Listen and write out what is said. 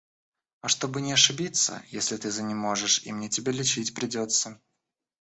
А чтобы не ошибиться, если ты занеможешь и мне тебя лечить придется.